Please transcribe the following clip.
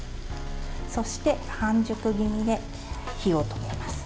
そして半熟気味で火を止めます。